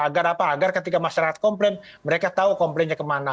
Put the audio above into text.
agar apa agar ketika masyarakat komplain mereka tahu komplainnya kemana